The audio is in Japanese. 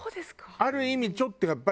ある意味ちょっとやっぱり。